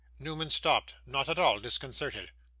Newman stopped; not at all disconcerted.